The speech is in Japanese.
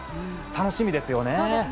楽しみですね。